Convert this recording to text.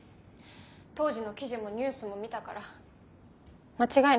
当時の記事もニュースも見たから間違いないよ。